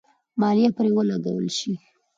مالیه پرې ولګول شي.